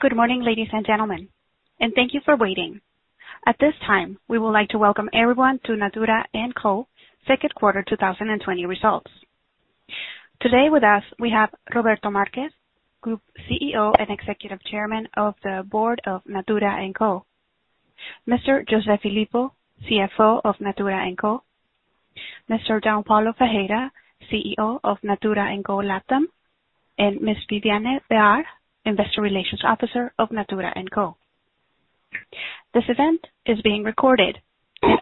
Good morning, ladies and gentlemen, and thank you for waiting. At this time, we would like to welcome everyone to Natura &Co.'s second quarter 2020 results. Today with us, we have Roberto Marques, Group CEO and Executive Chairman of the Board of Natura &Co., Mr. José Filippo, CFO of Natura &Co., Mr. João Paulo Ferreira, CEO of Natura &Co. Latin America, and Ms. Viviane Behar, Investor Relations Officer of Natura &Co. This event is being recorded.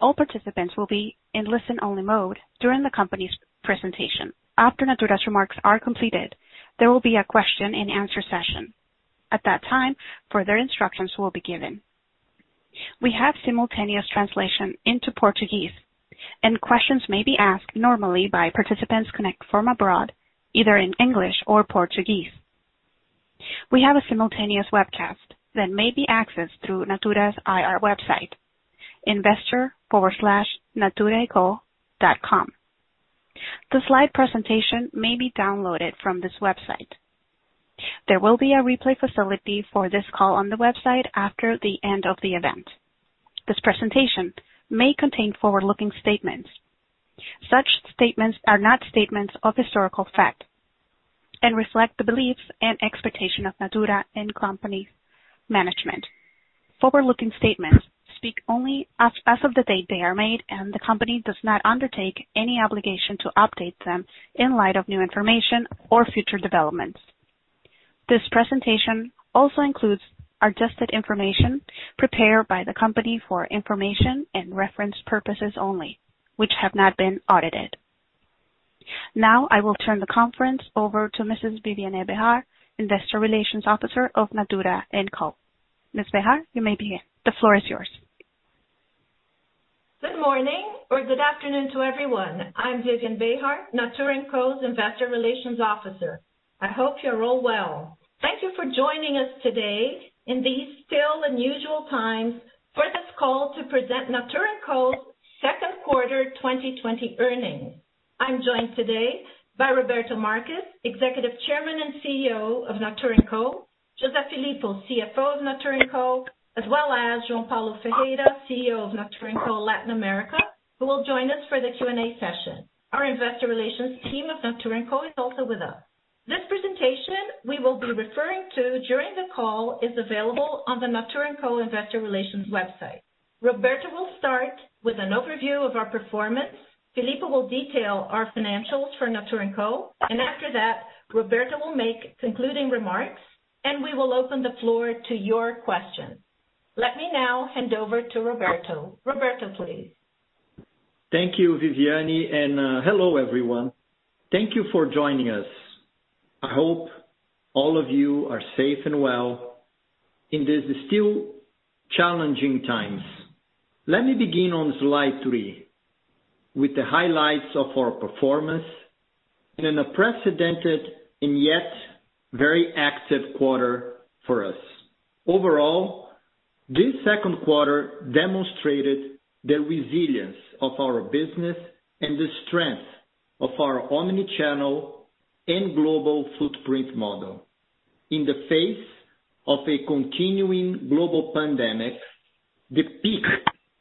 All participants will be in listen-only mode during the company's presentation. After Natura &Co.'s remarks are completed, there will be a question and answer session. At that time, further instructions will be given. We have simultaneous translation into Portuguese. Questions may be asked normally by participants connected from abroad, either in English or Portuguese. We have a simultaneous webcast that may be accessed through Natura &Co.'s IR website, investor/naturaeco.com. The slide presentation may be downloaded from this website. There will be a replay facility for this call on the website after the end of the event. This presentation may contain forward-looking statements. Such statements are not statements of historical fact and reflect the beliefs and expectation of Natura &Co management. Forward-looking statements speak only as of the date they are made, and the company does not undertake any obligation to update them in light of new information or future developments. This presentation also includes adjusted information prepared by the company for information and reference purposes only, which have not been audited. Now, I will turn the conference over to Mrs. Viviane Behar, Investor Relations Officer of Natura &Co. Ms. Behar, you may begin. The floor is yours. Good morning or good afternoon to everyone. I'm Viviane Behar, Natura &Co.'s Investor Relations Officer. I hope you're all well. Thank you for joining us today in these still unusual times for this call to present Natura &Co.'s second quarter 2020 earnings. I'm joined today by Roberto Marques, Executive Chairman and CEO of Natura &Co., José Filippo, CFO of Natura &Co., as well as João Paulo Ferreira, CEO of Natura &Co. Latin America, who will join us for the Q&A session. Our investor relations team of Natura &Co. is also with us. This presentation we will be referring to during the call is available on the Natura &Co. investor relations website. Roberto will start with an overview of our performance. Filippo will detail our financials for Natura &Co, and after that, Roberto will make concluding remarks, and we will open the floor to your questions. Let me now hand over to Roberto. Roberto, please. Thank you, Viviane, and hello, everyone. Thank you for joining us. I hope all of you are safe and well in these still challenging times. Let me begin on slide three with the highlights of our performance in an unprecedented and yet very active quarter for us. Overall, this second quarter demonstrated the resilience of our business and the strength of our omni-channel and global footprint model. In the face of a continuing global pandemic, the peak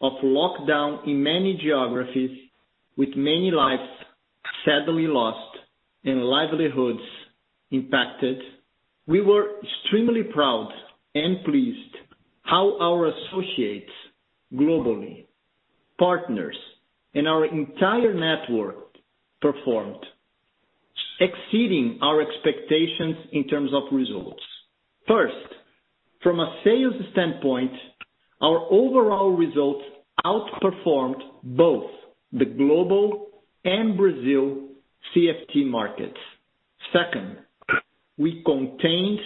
of lockdown in many geographies, with many lives sadly lost and livelihoods impacted, we were extremely proud and pleased how our associates globally, partners, and our entire network performed, exceeding our expectations in terms of results. First, from a sales standpoint, our overall results outperformed both the global and Brazil CFT markets. Second, we contained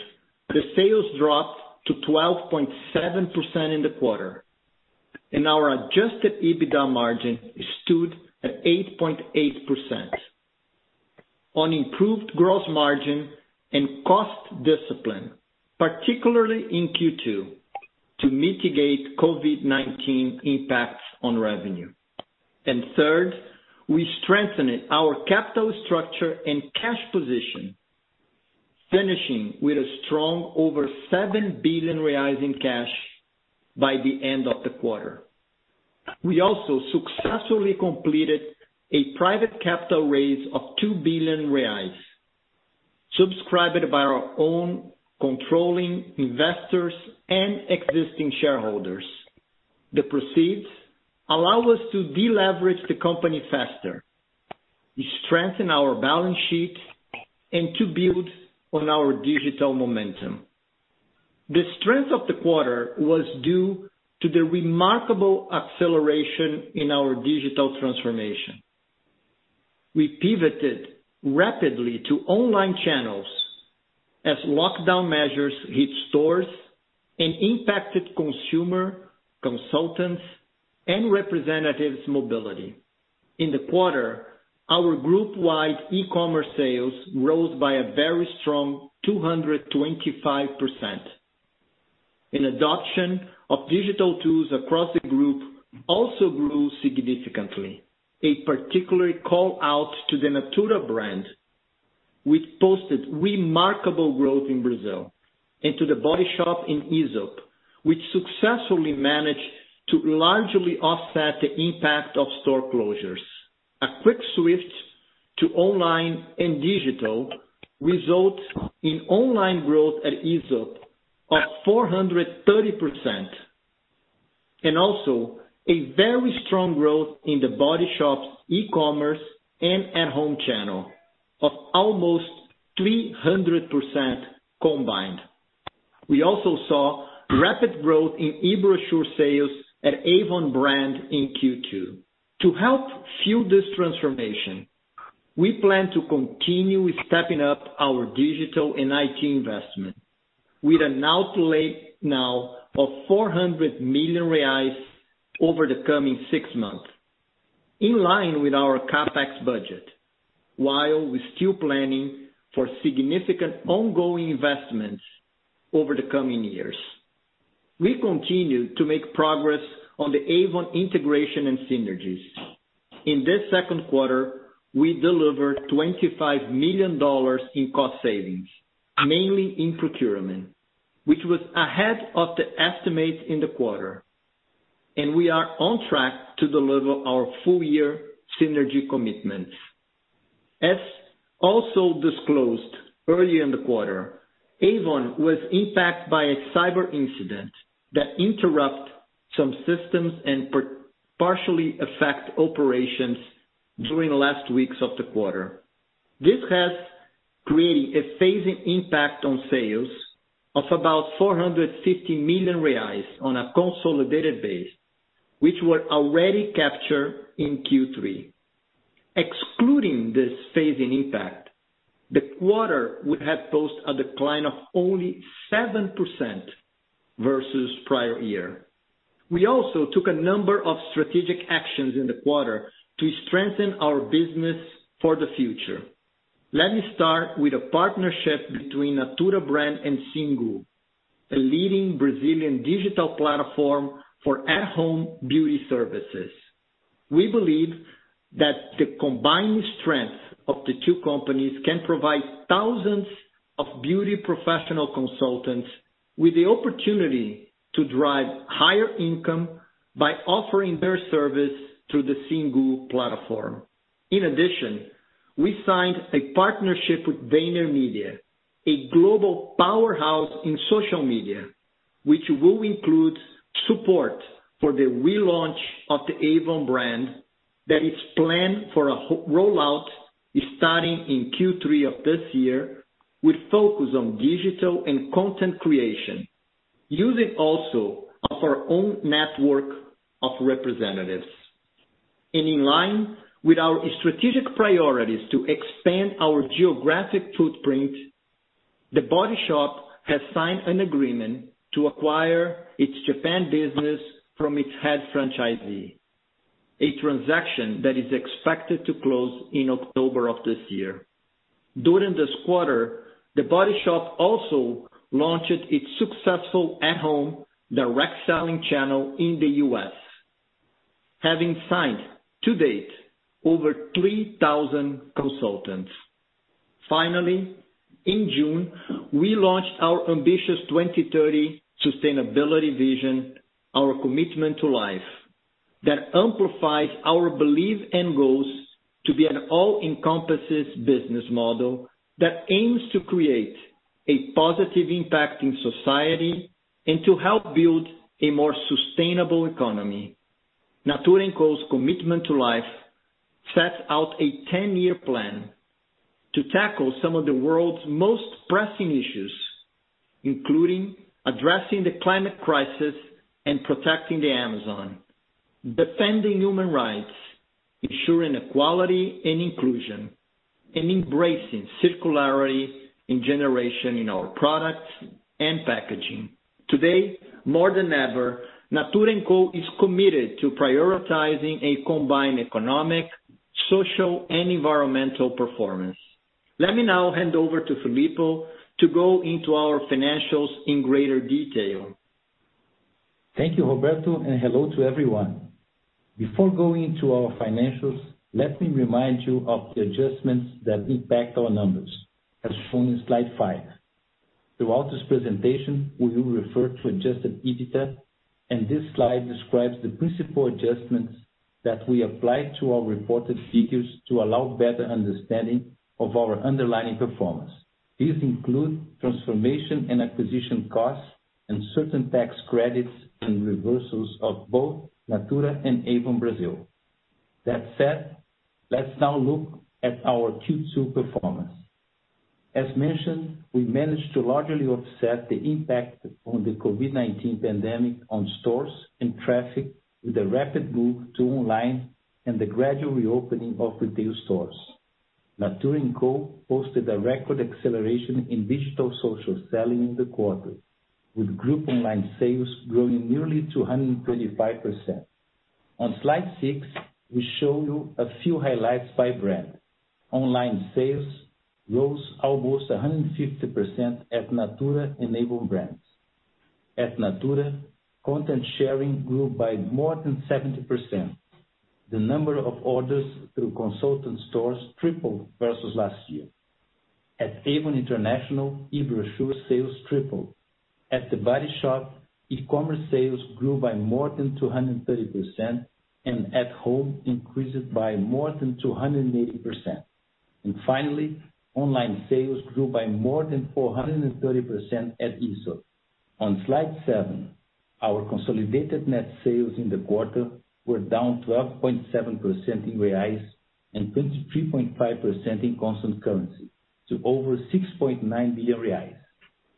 the sales drop to 12.7% in the quarter. Our adjusted EBITDA margin stood at 8.8% on improved gross margin and cost discipline, particularly in Q2, to mitigate COVID-19 impacts on revenue. Third, we strengthened our capital structure and cash position, finishing with a strong over 7 billion reais in cash by the end of the quarter. We also successfully completed a private capital raise of 2 billion reais, subscribed by our own controlling investors and existing shareholders. The proceeds allow us to de-leverage the company faster, strengthen our balance sheet, and to build on our digital momentum. The strength of the quarter was due to the remarkable acceleration in our digital transformation. We pivoted rapidly to online channels as lockdown measures hit stores and impacted consumer, consultants, and representatives' mobility. In the quarter, our group-wide e-commerce sales rose by a very strong 225%. Adoption of digital tools across the group also grew significantly. A particular call-out to the Natura brand, which posted remarkable growth in Brazil, and to The Body Shop and Aesop, which successfully managed to largely offset the impact of store closures. A quick switch to online and digital results in online growth at Aesop of 430%, and also a very strong growth in The Body Shop's e-commerce and at-home channel of almost 300% combined. We also saw rapid growth in e-brochure sales at Avon brand in Q2. To help fuel this transformation, we plan to continue stepping up our digital and IT investment with an outlay now of 400 million reais over the coming six months, in line with our CapEx budget, while we're still planning for significant ongoing investments over the coming years. We continue to make progress on the Avon integration and synergies. In this second quarter, we delivered BRL 25 million in cost savings, mainly in procurement, which was ahead of the estimate in the quarter. We are on track to deliver our full year synergy commitments. As also disclosed early in the quarter, Avon was impacted by a cyber incident that interrupted some systems and partially affected operations during the last weeks of the quarter. This has created a phasing impact on sales of about 450 million reais on a consolidated base, which were already captured in Q3. Excluding this phasing impact, the quarter would have posted a decline of only 7% versus prior year. We also took a number of strategic actions in the quarter to strengthen our business for the future. Let me start with a partnership between Natura Brand and Singu, a leading Brazilian digital platform for at-home beauty services. We believe that the combined strength of the two companies can provide thousands of beauty professional consultants with the opportunity to drive higher income by offering their service through the Singu platform. We signed a partnership with VaynerMedia, a global powerhouse in social media, which will include support for the relaunch of the Avon brand that is planned for a rollout starting in Q3 of this year, with focus on digital and content creation, using also of our own network of representatives. In line with our strategic priorities to expand our geographic footprint, The Body Shop has signed an agreement to acquire its Japan business from its head franchisee, a transaction that is expected to close in October of this year. During this quarter, The Body Shop also launched its successful at-home direct selling channel in the U.S., having signed to date over 3,000 consultants. Finally, in June, we launched our ambitious 2030 sustainability vision, Our Commitment to Life, that amplifies our belief and goals to be an all-encompassing business model that aims to create a positive impact in society and to help build a more sustainable economy. Natura &Co's Commitment to Life sets out a 10-year plan to tackle some of the world's most pressing issues, including addressing the climate crisis and protecting the Amazon, defending human rights, ensuring equality and inclusion, and embracing circularity in generation in our products and packaging. Today, more than ever, Natura &Co is committed to prioritizing a combined economic, social, and environmental performance. Let me now hand over to Filippo to go into our financials in greater detail. Thank you, Roberto, and hello to everyone. Before going into our financials, let me remind you of the adjustments that impact our numbers, as shown in slide five. Throughout this presentation, we will refer to adjusted EBITDA, and this slide describes the principal adjustments that we applied to our reported figures to allow better understanding of our underlying performance. These include transformation and acquisition costs and certain tax credits and reversals of both Natura and Avon Brazil. That said, let's now look at our Q2 performance. As mentioned, we managed to largely offset the impact from the COVID-19 pandemic on stores and traffic with a rapid move to online and the gradual reopening of retail stores. Natura &Co posted a record acceleration in digital social selling in the quarter, with group online sales growing nearly 225%. On slide six, we show you a few highlights by brand. Online sales rose almost 150% at Natura enabled brands. At Natura, content sharing grew by more than 70%. The number of orders through consultant stores tripled versus last year. At Avon International, e-brochure sales tripled. At The Body Shop, e-commerce sales grew by more than 230%, and at home increased by more than 280%. Finally, online sales grew by more than 430% at Aesop. On slide seven, our consolidated net sales in the quarter were down 12.7% in real and 23.5% in constant currency to over 6.9 billion reais.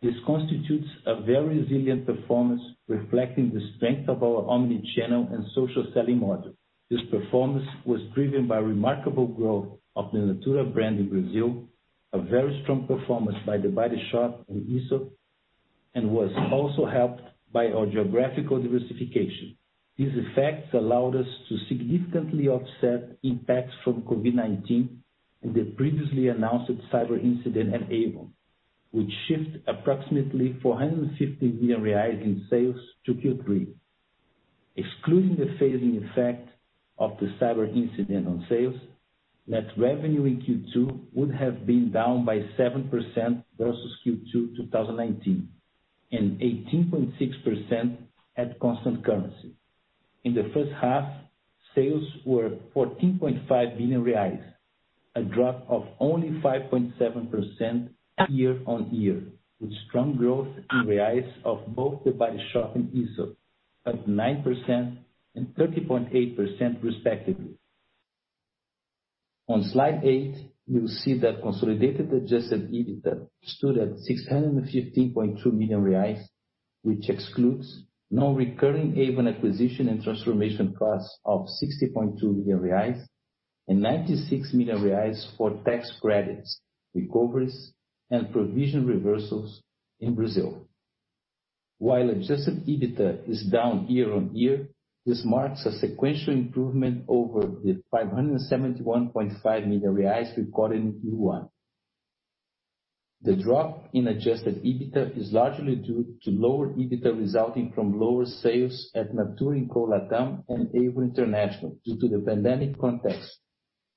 This constitutes a very resilient performance, reflecting the strength of our omni-channel and social selling model. This performance was driven by remarkable growth of the Natura brand in Brazil, a very strong performance by The Body Shop and Aesop, and was also helped by our geographical diversification. These effects allowed us to significantly offset impacts from COVID-19 and the previously announced cyber incident at Avon, which shifts approximately 450 million reais in sales to Q3. Excluding the phasing effect of the cyber incident on sales, net revenue in Q2 would have been down by 7% versus Q2 2019 and 18.6% at constant currency. In the first half, sales were 14.5 billion reais, a drop of only 5.7% year-over-year, with strong growth in real of both The Body Shop and Aesop at 9% and 30.8% respectively. On slide eight, you'll see that consolidated adjusted EBITDA stood at 615.2 million reais, which excludes non-recurring Avon acquisition and transformation costs of 60.2 million reais and 96 million reais for tax credits, recoveries, and provision reversals in Brazil. While adjusted EBITDA is down year-over-year, this marks a sequential improvement over the 571.5 million reais recorded in Q1. The drop in adjusted EBITDA is largely due to lower EBITDA resulting from lower sales at Natura &Co LatAm and Avon International due to the pandemic context,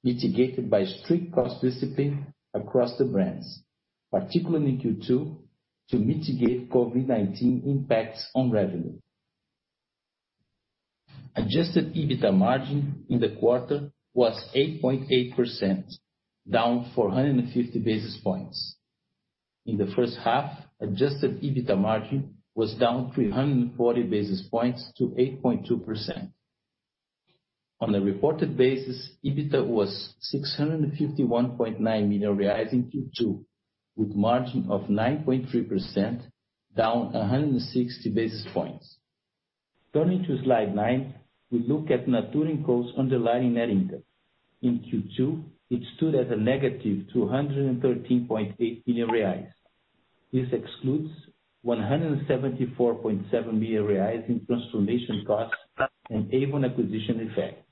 mitigated by strict cost discipline across the brands, particularly in Q2, to mitigate COVID-19 impacts on revenue. Adjusted EBITDA margin in the quarter was 8.8%, down 450 basis points. In the first half, adjusted EBITDA margin was down 340 basis points to 8.2%. On a reported basis, EBITDA was 651.9 million reais in Q2, with margin of 9.3%, down 160 basis points. Turning to slide nine, we look at Natura &Co's underlying net income. In Q2, it stood at a negative 213.8 million reais. This excludes 174.7 million reais in transformation costs and Avon acquisition effect.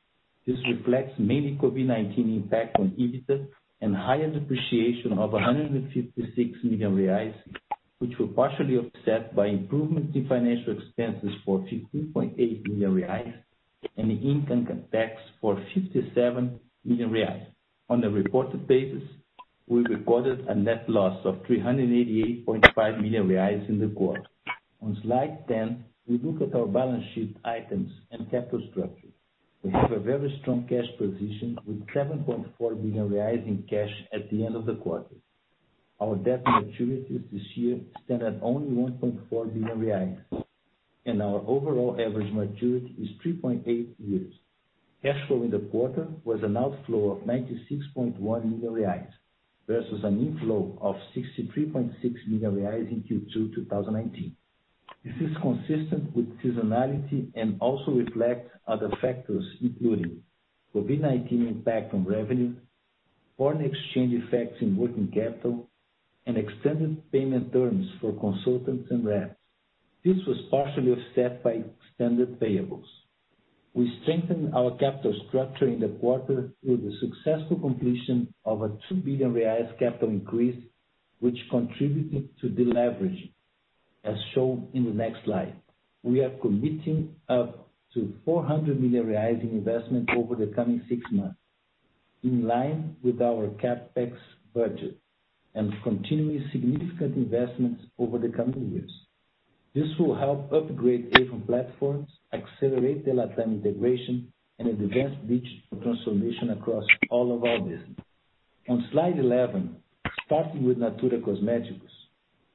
This reflects mainly COVID-19 impact on EBITDA and higher depreciation of 156 million reais, which were partially offset by improvements in financial expenses for 15.8 million reais and the income tax for 57 million reais. On a reported basis, we recorded a net loss of 388.5 million reais in the quarter. On slide 10, we look at our balance sheet items and capital structure. We have a very strong cash position with 7.4 billion reais in cash at the end of the quarter. Our debt maturities this year stand at only 1.4 billion, and our overall average maturity is 3.8 years. Cash flow in the quarter was an outflow of 96.1 million reais versus an inflow of 63.6 million reais in Q2 2019. This is consistent with seasonality and also reflects other factors including COVID-19 impact on revenue, foreign exchange effects in working capital, and extended payment terms for consultants and reps. This was partially offset by extended payables. We strengthened our capital structure in the quarter with the successful completion of a 2 billion reais capital increase, which contributed to deleveraging, as shown in the next slide. We are committing up to 400 million reais in investment over the coming six months, in line with our CapEx budget and continuing significant investments over the coming years. This will help upgrade Avon platforms, accelerate the LatAm integration, and advance digital transformation across all of our business. On slide 11, starting with Natura Cosméticos,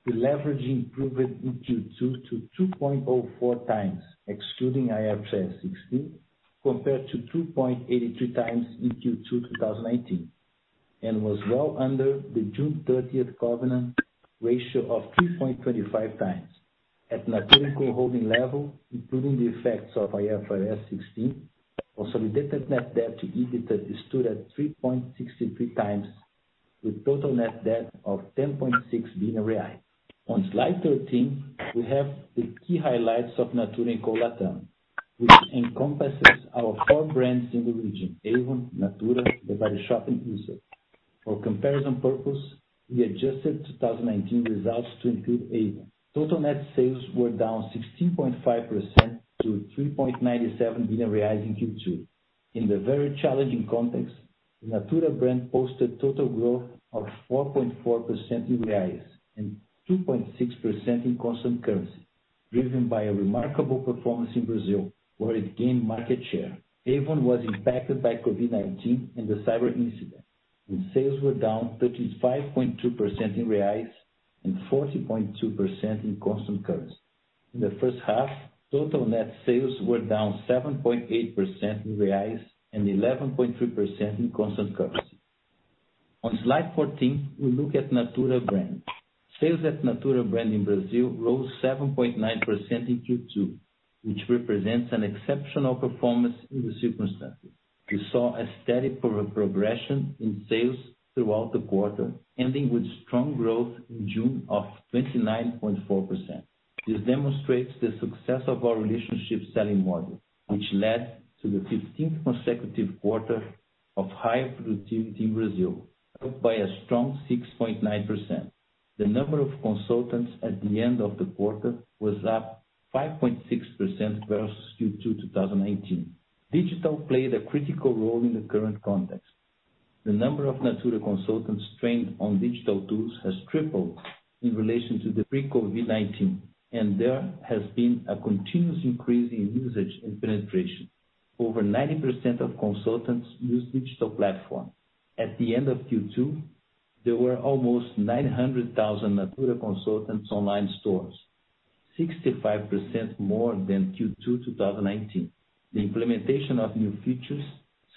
the leverage improved in Q2 to 2.04x, excluding IFRS 16, compared to 2.83x in Q2 2019, and was well under the June 30th covenant ratio of 2.25x. At Natura &Co holding level, including the effects of IFRS 16, consolidated net debt to EBITDA stood at 3.63x. With total net debt of 10.6 billion reais. On slide 13, we have the key highlights of Natura &Co LatAm, which encompasses our four brands in the region, Avon, Natura, The Body Shop, and Aesop. For comparison purpose, we adjusted 2019 results to include Avon. Total net sales were down 16.5% to 3.97 billion reais in Q2. In the very challenging context, Natura brand posted total growth of 4.4% in real and 2.6% in constant currency, driven by a remarkable performance in Brazil, where it gained market share. Avon was impacted by COVID-19 and the cyber incident, when sales were down 35.2% in real and 40.2% in constant currency. In the first half, total net sales were down 7.8% in real and 11.3% in constant currency. On slide 14, we look at Natura brand. Sales at Natura brand in Brazil rose 7.9% in Q2, which represents an exceptional performance in the circumstances. We saw a steady progression in sales throughout the quarter, ending with strong growth in June of 29.4%. This demonstrates the success of our relationship selling model, which led to the 15th consecutive quarter of high productivity in Brazil, up by a strong 6.9%. The number of consultants at the end of the quarter was up 5.6% versus Q2 2018. Digital played a critical role in the current context. The number of Natura consultants trained on digital tools has tripled in relation to the pre-COVID-19, and there has been a continuous increase in usage and penetration. Over 90% of consultants use digital platform. At the end of Q2, there were almost 900,000 Natura consultants' online stores, 65% more than Q2 2019. The implementation of new features,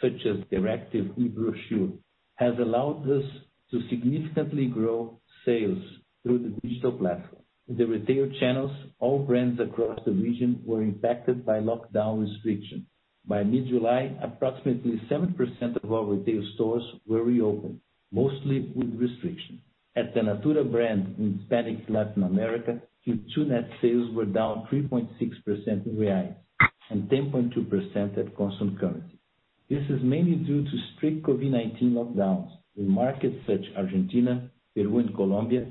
such as interactive e-brochure, has allowed us to significantly grow sales through the digital platform. In the retail channels, all brands across the region were impacted by lockdown restrictions. By mid-July, approximately 70% of our retail stores were reopened, mostly with restrictions. At the Natura brand in Hispanic Latin America, Q2 net sales were down 3.6% in real and 10.2% at constant currency. This is mainly due to strict COVID-19 lockdowns in markets such Argentina, Peru, and Colombia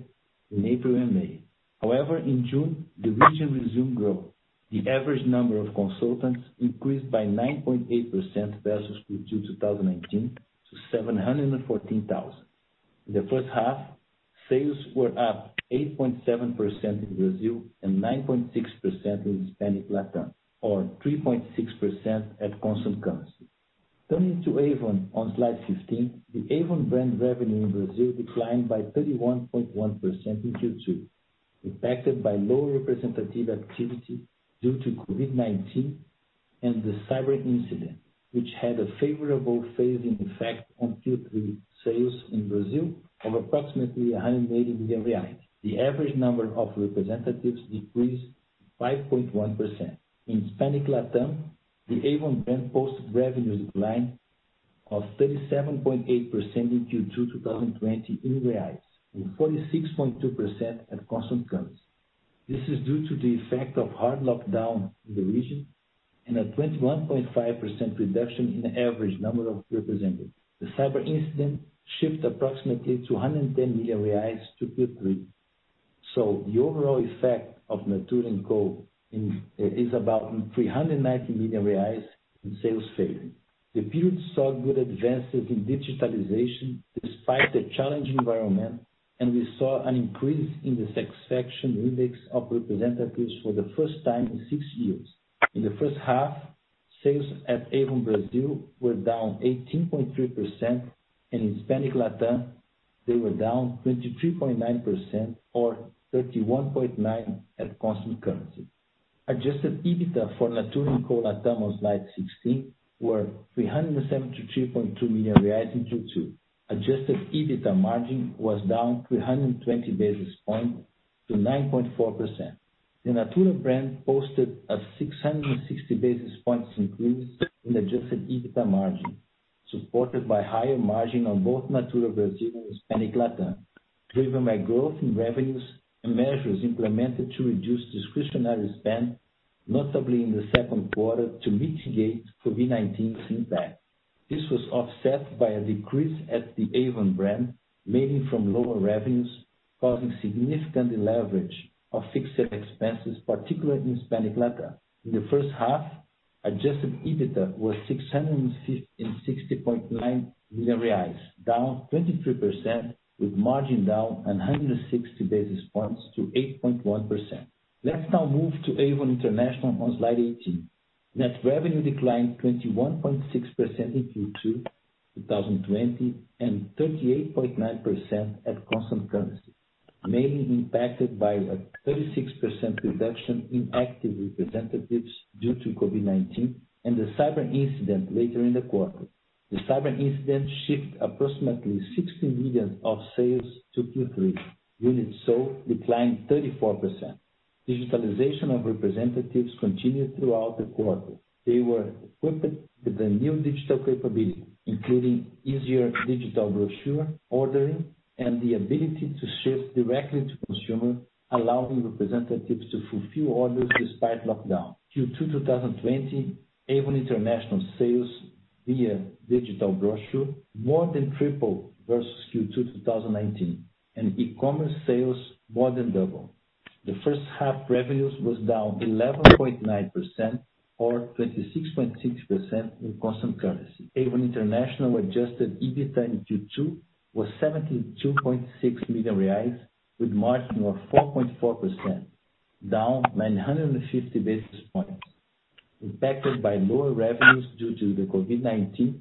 in April and May. However, in June, the region resumed growth. The average number of consultants increased by 9.8% versus Q2 2019 to 714,000. In the first half, sales were up 8.7% in Brazil and 9.6% in Hispanic LatAm, or 3.6% at constant currency. Turning to Avon on slide 15. The Avon brand revenue in Brazil declined by 31.1% in Q2, impacted by lower representative activity due to COVID-19 and the cyber incident, which had a favorable phasing effect on Q3 sales in Brazil of approximately 180 million reais. The average number of representatives decreased 5.1%. In Hispanic LatAm, the Avon brand posted revenue decline of 37.8% in Q2 2020 in real, with 46.2% at constant currency. This is due to the effect of hard lockdown in the region and a 21.5% reduction in average number of representatives. The cyber incident shift approximately 210 million reais to Q3, the overall effect of Natura &Co is about 390 million reais in sales. The beauty saw good advances in digitalization despite a challenging environment, and we saw an increase in the satisfaction index of representatives for the first time in six years. In the first half, sales at Avon Brazil were down 18.3%, and in Hispanic LatAm, they were down 23.9%, or 31.9% at constant currency. Adjusted EBITDA for Natura &Co LatAm on slide 16, were 373.2 million reais in Q2. Adjusted EBITDA margin was down 320 basis points to 9.4%. The Natura brand posted a 660 basis points increase in adjusted EBITDA margin, supported by higher margin on both Natura Brazil and Hispanic LatAm, driven by growth in revenues and measures implemented to reduce discretionary spend, notably in the second quarter, to mitigate COVID-19's impact. This was offset by a decrease at the Avon brand, mainly from lower revenues, causing significant deleverage of fixed expenses, particularly in Hispanic LatAm. In the first half, adjusted EBITDA was 660.9 million reais, down 23%, with margin down 160 basis points to 8.1%. Let's now move to Avon International on slide 18. Net revenue declined 21.6% in Q2 2020, and 38.9% at constant currency, mainly impacted by a 36% reduction in active representatives due to COVID-19 and the cyber incident later in the quarter. The cyber incident shift approximately 60 million of sales to Q3. Units sold declined 34%. Digitalization of representatives continued throughout the quarter. They were equipped with the new digital capability, including easier digital brochure ordering and the ability to ship directly to consumer, allowing representatives to fulfill orders despite lockdown. Q2 2020, Avon International sales via digital brochure more than tripled versus Q2 2019, and e-commerce sales more than doubled. The first half revenues was down 11.9% or 26.6% in constant currency. Avon International adjusted EBITDA in Q2 was 72.6 million reais with margin of 4.4%, down 950 basis points, impacted by lower revenues due to the COVID-19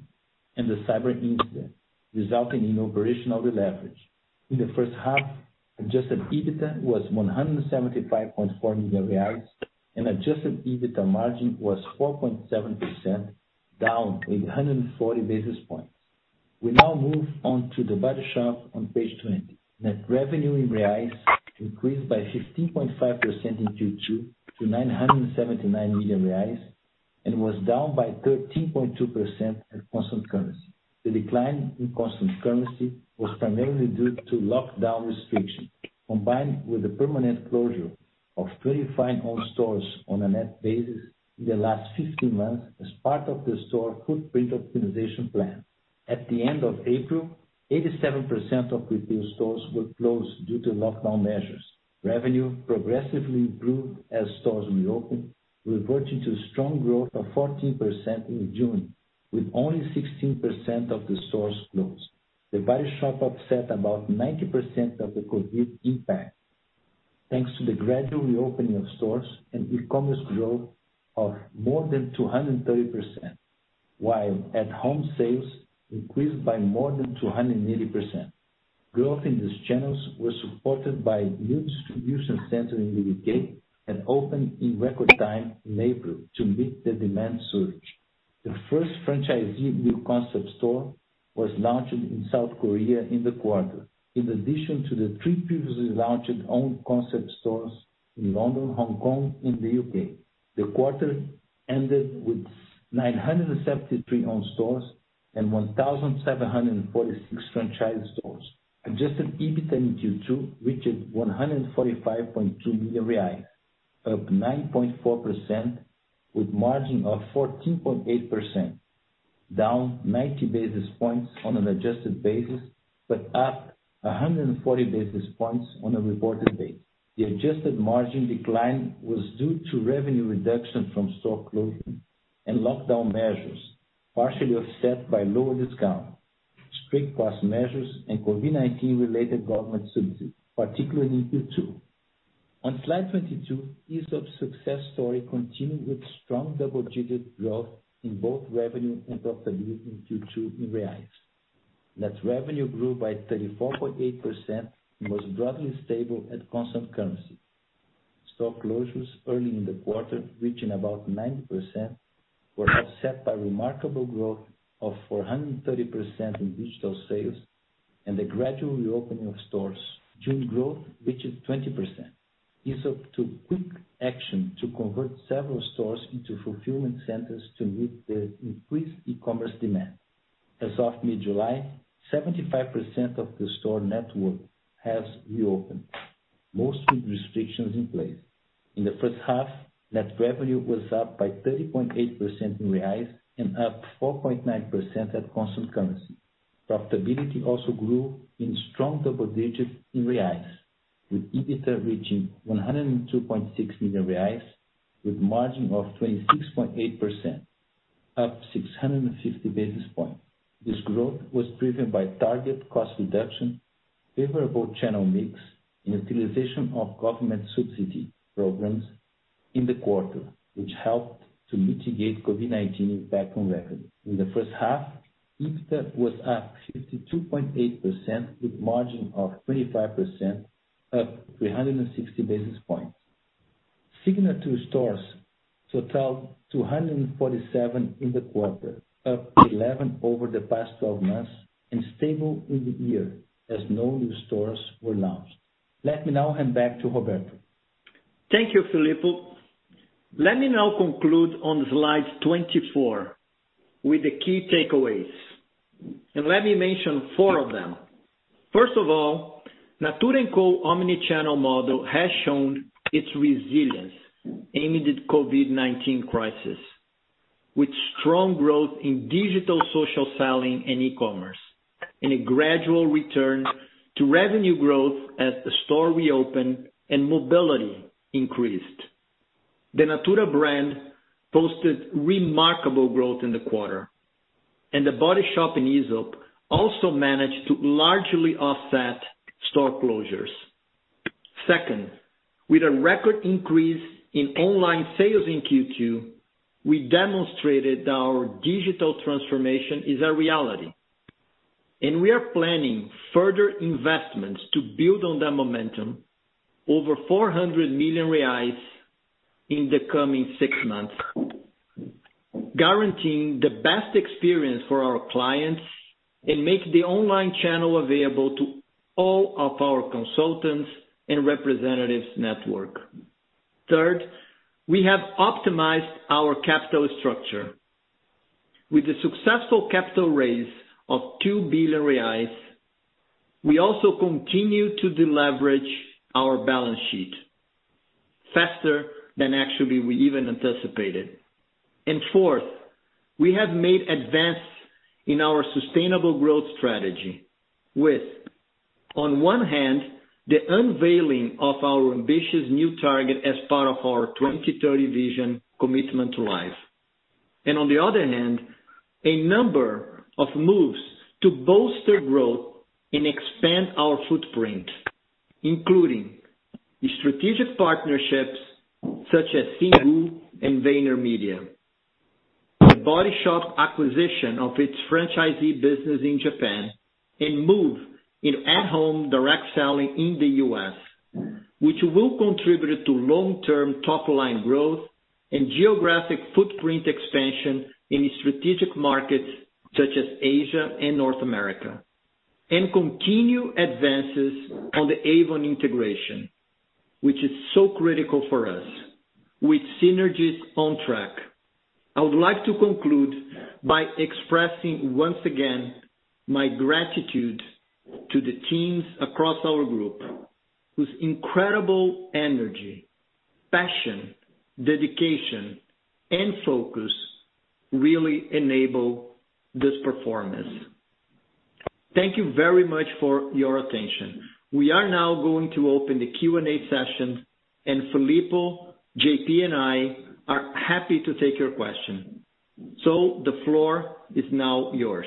and the cyber incident, resulting in operational deleverage. In the first half, adjusted EBITDA was BRL 175.4 million, and adjusted EBITDA margin was 4.7%, down 840 basis points. We now move on to The Body Shop on page 20. Net revenue in real increased by 15.5% in Q2 to 979 million reais and was down by 13.2% at constant currency. The decline in constant currency was primarily due to lockdown restrictions, combined with the permanent closure of 25 owned stores on a net basis in the last 15 months as part of the store footprint optimization plan. At the end of April, 87% of retail stores were closed due to lockdown measures. Revenue progressively improved as stores reopened, reverting to strong growth of 14% in June, with only 16% of the stores closed. The Body Shop offset about 90% of the COVID impact, thanks to the gradual reopening of stores and e-commerce growth of more than 230%, while at-home sales increased by more than 280%. Growth in these channels was supported by a new distribution center in the U.K. and opened in record time in April to meet the demand surge. The first franchisee new concept store was launched in South Korea in the quarter. In addition to the three previously launched owned concept stores in London, Hong Kong and the U.K. The quarter ended with 973 owned stores and 1,746 franchise stores. Adjusted EBITDA in Q2 reached 145.2 million reais, up 9.4% with margin of 14.8%, down 90 basis points on an adjusted basis, but up 140 basis points on a reported basis. The adjusted margin decline was due to revenue reduction from store closing and lockdown measures, partially offset by lower discount, strict cost measures and COVID-19 related government subsidies, particularly in Q2. On slide 22, Aesop's success story continued with strong double-digit growth in both revenue and profitability in Q2 in real. Net revenue grew by 34.8% and was broadly stable at constant currency. Store closures early in the quarter, reaching about 90%, were offset by remarkable growth of 430% in digital sales and the gradual reopening of stores. June growth reached 20%. Aesop took quick action to convert several stores into fulfillment centers to meet the increased e-commerce demand. As of mid-July, 75% of the store network has reopened, mostly with restrictions in place. In the first half, net revenue was up by 30.8% in real and up 4.9% at constant currency. Profitability also grew in strong double digits in real, with EBITDA reaching 102.6 million reais with margin of 26.8%, up 650 basis points. This growth was driven by target cost reduction, favorable channel mix, and utilization of government subsidy programs in the quarter, which helped to mitigate COVID-19 impact on revenue. In the first half, EBITDA was up 52.8% with margin of 25%, up 360 basis points. Signature stores totaled 247 in the quarter, up 11 over the past 12 months and stable in the year as no new stores were launched. Let me now hand back to Roberto. Thank you, Filippo. Let me now conclude on slide 24 with the key takeaways. Let me mention four of them. First of all, Natura &Co omnichannel model has shown its resilience amid the COVID-19 crisis, with strong growth in digital social selling and e-commerce, and a gradual return to revenue growth as the store reopened and mobility increased. The Natura brand posted remarkable growth in the quarter, and The Body Shop and Aesop also managed to largely offset store closures. Second, with a record increase in online sales in Q2, we demonstrated our digital transformation is a reality, and we are planning further investments to build on that momentum over 400 million reais in the coming six months. Guaranteeing the best experience for our clients and make the online channel available to all of our consultants and representatives network. Third, we have optimized our capital structure. With the successful capital raise of 2 billion reais, we also continue to deleverage our balance sheet faster than actually we even anticipated. Fourth, we have made advance in our sustainable growth strategy with, on one hand, the unveiling of our ambitious new target as part of our 2030 vision Commitment to Life. On the other hand, a number of moves to bolster growth and expand our footprint, including strategic partnerships such as Singu and VaynerMedia, The Body Shop acquisition of its franchisee business in Japan, and move in at-home direct selling in the U.S., which will contribute to long-term top-line growth and geographic footprint expansion in strategic markets such as Asia and North America. Continue advances on the Avon integration, which is so critical for us with synergies on track. I would like to conclude by expressing, once again, my gratitude to the teams across our group, whose incredible energy, passion, dedication, and focus really enable this performance. Thank you very much for your attention. We are now going to open the Q&A session, and Filippo, JP, and I are happy to take your question. The floor is now yours.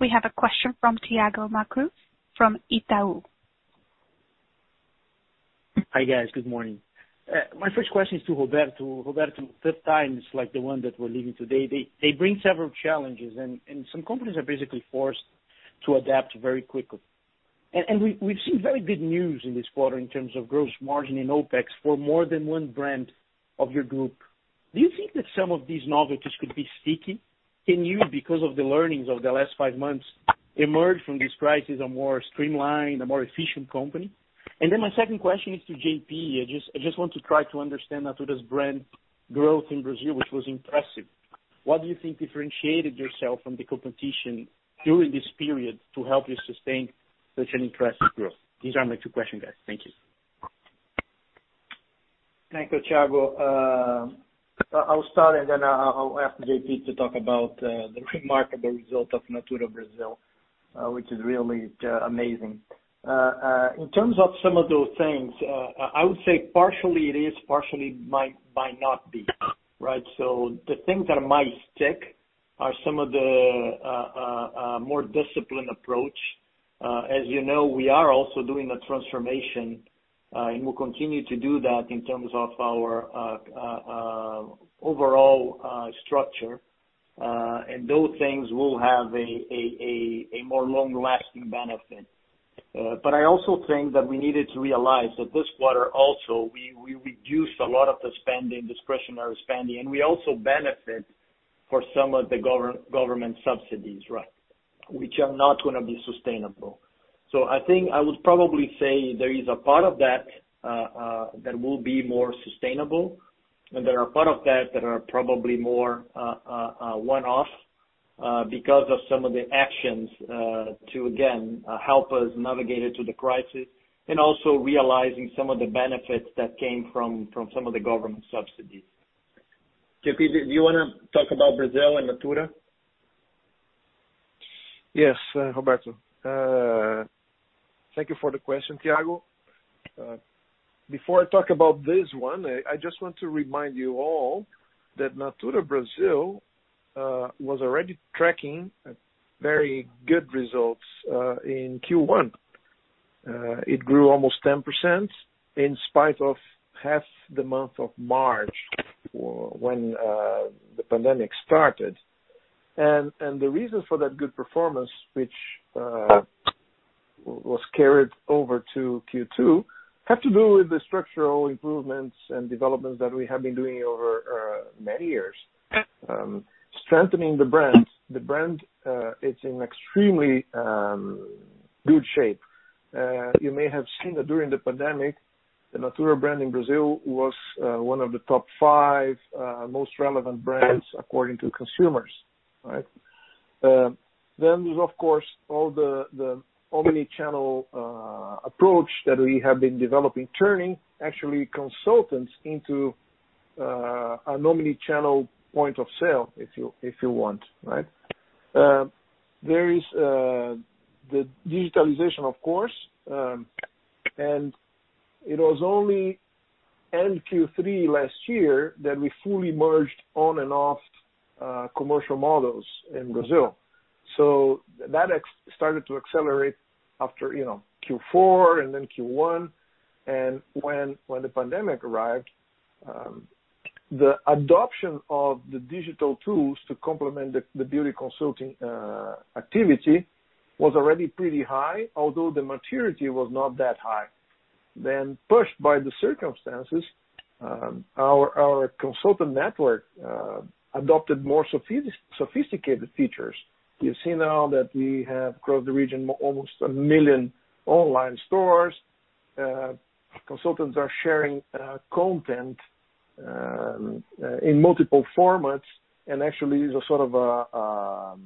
We have a question from Thiago Macruz from Itaú BBA. Hi, guys. Good morning. My first question is to Roberto. Roberto, tough times like the one that we're living today, they bring several challenges, some companies are basically forced to adapt very quickly. We've seen very good news in this quarter in terms of gross margin in OpEx for more than one brand of your group. Do you think that some of these novelties could be sticky? Can you, because of the learnings of the last five months, emerge from this crisis a more streamlined, a more efficient company? Then my second question is to JP. I just want to try to understand Natura's brand growth in Brazil, which was impressive. What do you think differentiated yourself from the competition during this period to help you sustain such an impressive growth? These are my two questions, guys. Thank you. Thank you, Thiago. I'll start, then I'll ask JP to talk about the remarkable result of Natura Brazil, which is really amazing. In terms of some of those things, I would say partially it is, partially might not be. Right? The things that might stick are some of the more disciplined approach. As you know, we are also doing a transformation, we'll continue to do that in terms of our overall structure. Those things will have a more long-lasting benefit. I also think that we needed to realize that this quarter also, we reduced a lot of the spending, discretionary spending, and we also benefit for some of the government subsidies, right, which are not going to be sustainable. I think I would probably say there is a part of that will be more sustainable, and there are part of that that are probably more one-off, because of some of the actions, to again, help us navigate through the crisis and also realizing some of the benefits that came from some of the government subsidies. JP, do you want to talk about Brazil and Natura? Yes, Roberto. Thank you for the question, Thiago. Before I talk about this one, I just want to remind you all that Natura Brazil was already tracking very good results in Q1. It grew almost 10% in spite of half the month of March when the pandemic started. The reason for that good performance, which was carried over to Q2, have to do with the structural improvements and developments that we have been doing over many years. Strengthening the brand. The brand, it's in extremely good shape. You may have seen that during the pandemic, the Natura brand in Brazil was one of the top five most relevant brands according to consumers, right? There's, of course, all the omnichannel approach that we have been developing, turning actually consultants into an omnichannel point of sale, if you want. There is the digitalization, of course, and it was only in Q3 last year that we fully merged on and off commercial models in Brazil. That started to accelerate after Q4 and then Q1. When the pandemic arrived, the adoption of the digital tools to complement the beauty consulting activity was already pretty high, although the maturity was not that high. Pushed by the circumstances, our consultant network adopted more sophisticated features. You see now that we have, across the region, almost a million online stores. Consultants are sharing content in multiple formats and actually is a sort of a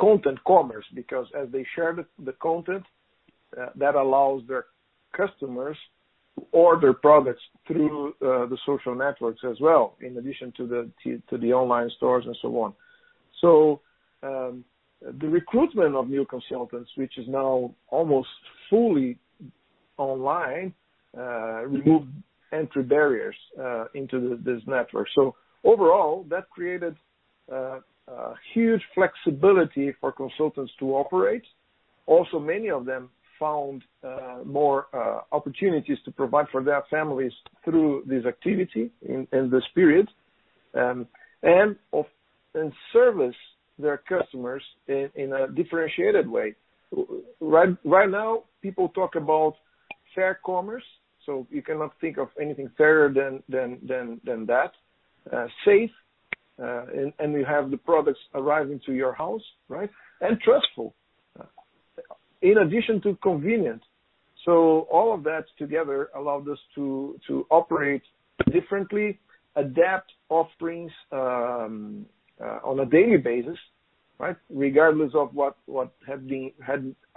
content commerce, because as they share the content, that allows their customers to order products through the social networks as well, in addition to the online stores and so on. The recruitment of new consultants, which is now almost fully online, removed entry barriers into this network. Overall, that created a huge flexibility for consultants to operate. Also, many of them found more opportunities to provide for their families through this activity in this period, and service their customers in a differentiated way. Right now, people talk about fair commerce, so you cannot think of anything fairer than that. Safe. You have the products arriving to your house. Trustful, in addition to convenient. All of that together allowed us to operate differently, adapt offerings on a daily basis. Regardless of what had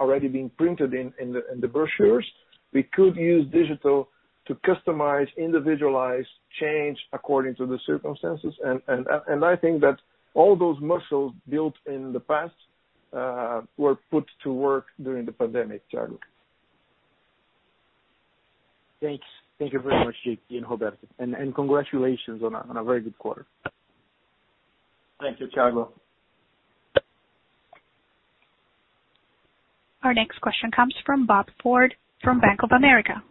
already been printed in the brochures, we could use digital to customize, individualize, change according to the circumstances. I think that all those muscles built in the past, were put to work during the pandemic, Thiago. Thanks. Thank you very much, JP and Roberto, and congratulations on a very good quarter. Thank you, Thiago. Our next question comes from Bob Ford from Bank of America.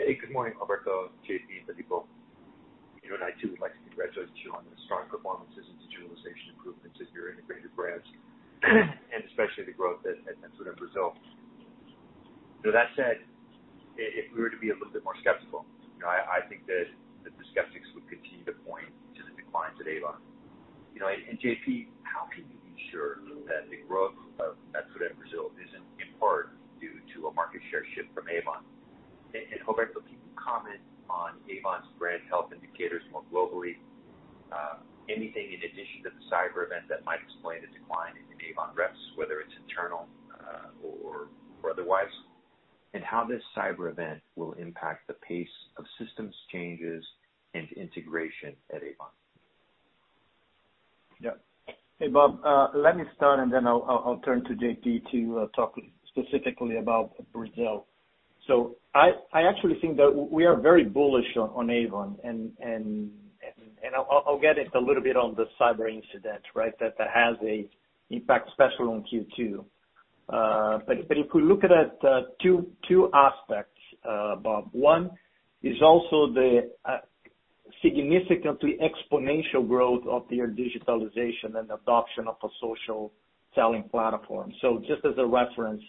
Hey, good morning, Roberto, JP, and Filippo. I too would like to congratulate you on the strong performances and digitalization improvements of your integrated brands, especially the growth at Natura Brazil. That said, if we were to be a little bit more skeptical, I think that the skeptics would continue to point to the declines at Avon. JP, how can you be sure that the growth of Natura Brazil isn't in part due to a market share shift from Avon? Roberto, can you comment on Avon's brand health indicators more globally, anything in addition to the cyber event that might explain the decline in Avon reps, whether it's internal or otherwise? How this cyber event will impact the pace of systems changes and integration at Avon. Hey, Bob, let me start, then I'll turn to JP to talk specifically about Brazil. I actually think that we are very bullish on Avon. I'll get a little bit on the cyber incident that had an impact especially on Q2. If we look at two aspects, Bob. One is also the significantly exponential growth of their digitalization and adoption of a social selling platform. Just as a reference,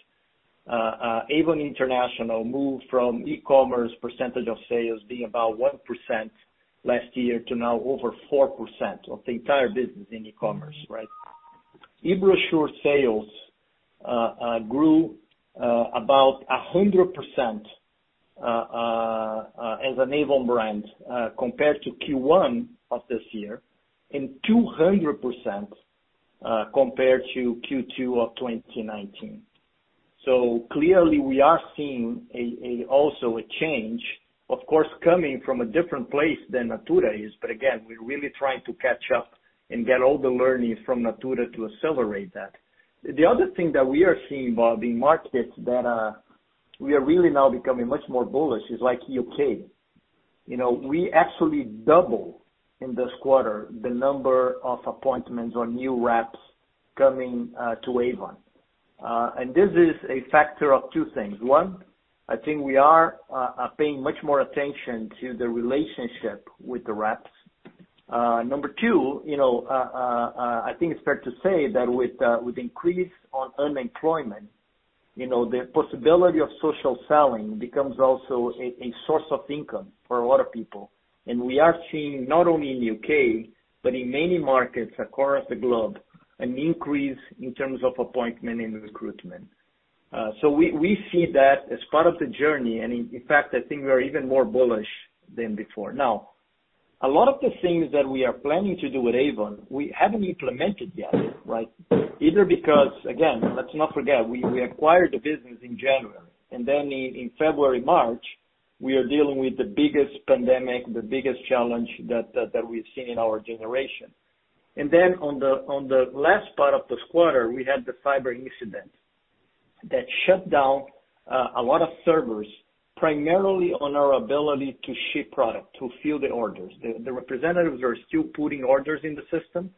Avon International moved from e-commerce percentage of sales being about 1% last year to now over 4% of the entire business in e-commerce. E-brochure sales grew about 100% as an Avon brand compared to Q1 of this year and 200% compared to Q2 of 2019. Clearly, we are seeing also a change, of course, coming from a different place than Natura is. Again, we're really trying to catch up and get all the learnings from Natura to accelerate that. The other thing that we are seeing, Bob, in markets that we are really now becoming much more bullish is like U.K. We actually double in this quarter the number of appointments or new reps coming to Avon. This is a factor of two things. One, I think we are paying much more attention to the relationship with the reps. Number two, I think it's fair to say that with increase on unemployment, the possibility of social selling becomes also a source of income for a lot of people. We are seeing, not only in U.K., but in many markets across the globe, an increase in terms of appointment and recruitment. We see that as part of the journey, and in fact, I think we are even more bullish than before. A lot of the things that we are planning to do with Avon, we haven't implemented yet, right? Either because, again, let's not forget, we acquired the business in January, then in February, March, we are dealing with the biggest pandemic, the biggest challenge that we've seen in our generation. Then on the last part of the quarter, we had the cyber incident that shut down a lot of servers, primarily on our ability to ship product, to fill the orders. The representatives are still putting orders in the system,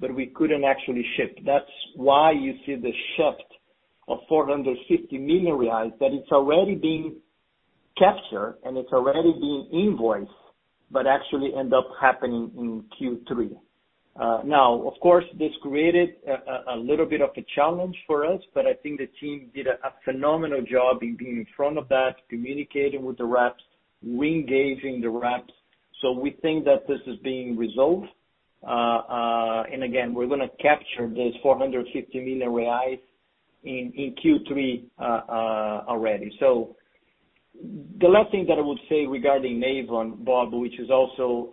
we couldn't actually ship. That's why you see the shift of 450 million reais, that it's already being captured and it's already being invoiced, but actually end up happening in Q3. Of course, this created a little bit of a challenge for us, but I think the team did a phenomenal job in being in front of that, communicating with the reps, reengaging the reps. We think that this is being resolved. Again, we're going to capture these 450 million reais in Q3 already. The last thing that I would say regarding Avon, Bob, which is also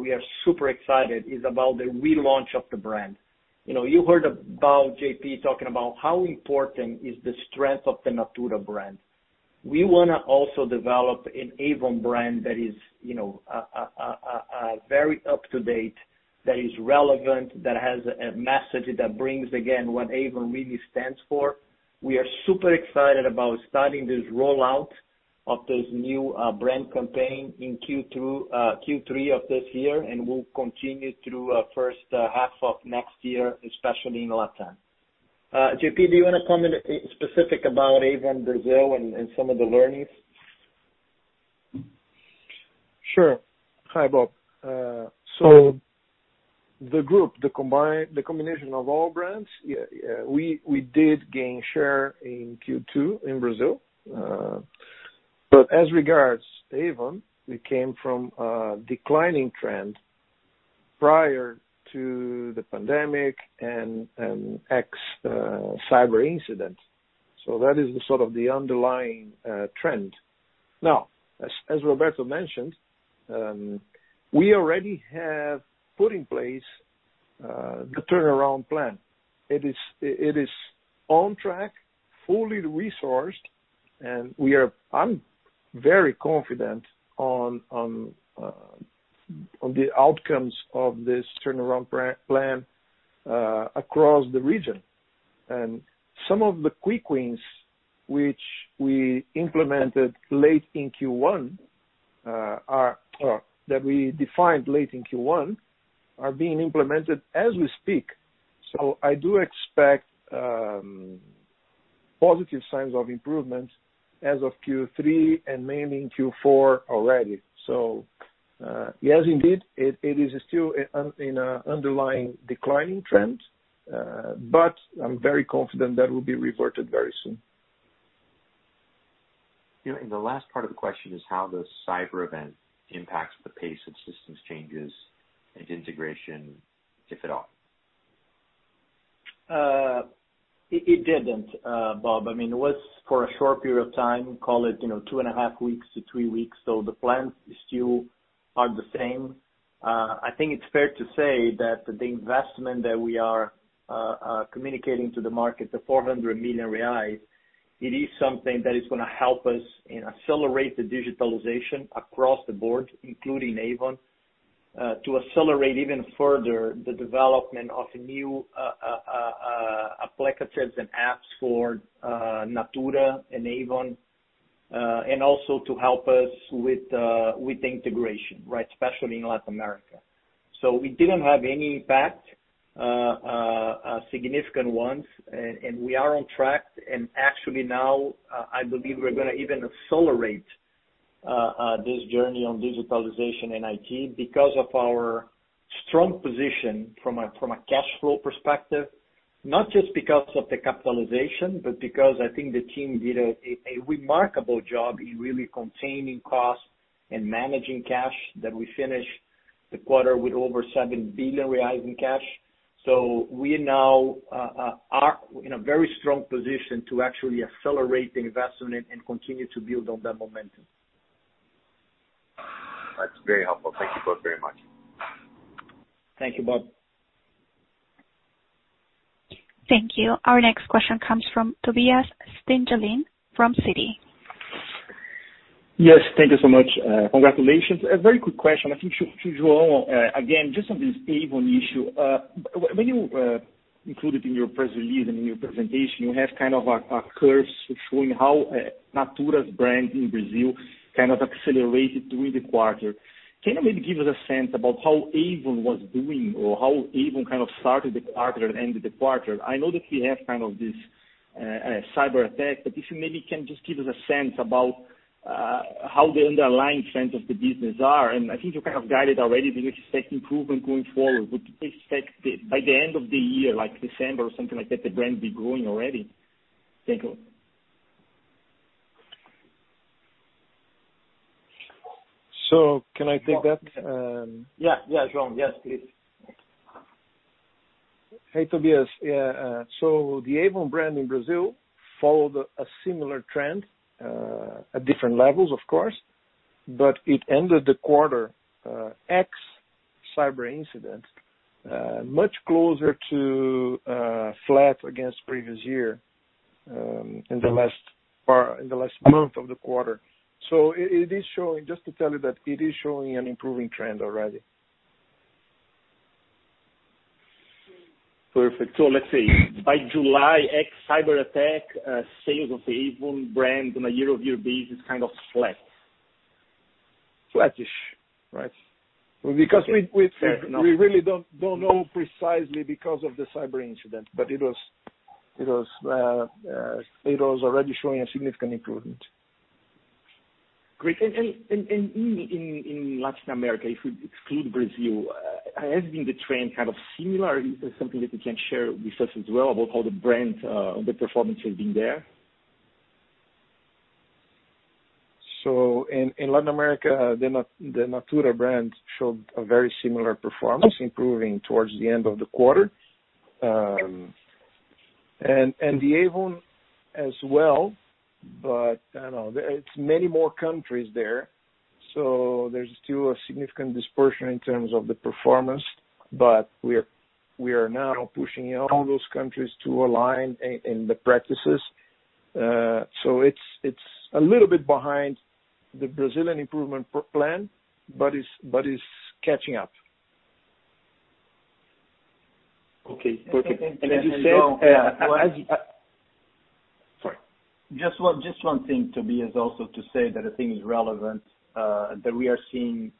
we are super excited, is about the relaunch of the brand. You heard about JP talking about how important is the strength of the Natura brand. We want to also develop an Avon brand that is very up to date, that is relevant, that has a message that brings, again, what Avon really stands for. We are super excited about starting this rollout of this new brand campaign in Q3 of this year. We'll continue through first half of next year, especially in LatAm. JP, do you want to comment specific about Avon Brazil and some of the learnings? Sure. Hi, Bob. The group, the combination of all brands, we did gain share in Q2 in Brazil. As regards Avon, we came from a declining trend prior to the pandemic and ex cyber incident. That is the sort of the underlying trend. As Roberto mentioned, we already have put in place the turnaround plan. It is on track, fully resourced, and I'm very confident on the outcomes of this turnaround plan across the region. Some of the quick wins, which we implemented late in Q1, are being implemented as we speak. I do expect positive signs of improvement as of Q3 and mainly in Q4 already. Yes, indeed, it is still in an underlying declining trend, but I'm very confident that will be reverted very soon. The last part of the question is how those cyber events impacts the pace of systems changes and integration, if at all. It didn't, Bob. It was for a short period of time, call it, two and a half weeks to three weeks. The plans still are the same. I think it's fair to say that the investment that we are communicating to the market, the 400 million reais, it is something that is going to help us and accelerate the digitalization across the board, including Avon, to accelerate even further the development of new applicatives and apps for Natura and Avon, and also to help us with the integration, right, especially in Latin America. We didn't have any impact, significant ones, and we are on track, and actually now, I believe we're going to even accelerate this journey on digitalization and IT because of our strong position from a cash flow perspective, not just because of the capitalization, but because I think the team did a remarkable job in really containing costs and managing cash that we finish the quarter with over 7 billion reais in cash. We now are in a very strong position to actually accelerate the investment and continue to build on that momentum. That's very helpful. Thank you both very much. Thank you, Bob. Thank you. Our next question comes from Tobias Stingelin from Citi. Yes, thank you so much. Congratulations. A very quick question, I think to João, again, just on this Avon issue. When you included in your press release and in your presentation, you have kind of a curve showing how Natura's brand in Brazil kind of accelerated during the quarter. Can you maybe give us a sense about how Avon was doing or how Avon kind of started the quarter and ended the quarter? I know that we have kind of this cyber attack, but if you maybe can just give us a sense about how the underlying trends of the business are. I think you kind of guided already that you expect improvement going forward. Would you expect by the end of the year, like December or something like that, the brand be growing already? Thank you. Can I take that? Yeah, João. Yes, please. Hey, Tobias. The Avon brand in Brazil followed a similar trend, at different levels of course, but it ended the quarter ex cyber incident, much closer to flat against previous year in the last month of the quarter. It is showing, just to tell you that it is showing an improving trend already. Perfect. Let's say by July ex cyber attack, sales of the Avon brand on a year-over-year basis is kind of flat. Flattish. Right. We really don't know precisely because of the cyber incident, but it was already showing a significant improvement. Great. In Latin America, if we exclude Brazil, has been the trend kind of similar? Is this something that you can share with us as well about how the brand, the performance has been there? In Latin America, the Natura brand showed a very similar performance, improving towards the end of the quarter. The Avon as well, but it's many more countries there, so there's still a significant dispersion in terms of the performance. We are now pushing all those countries to align in the practices. It's a little bit behind the Brazilian improvement plan, but it's catching up. Okay. Sorry. Just one thing, Tobias, also to say that I think is relevant, that we are seeing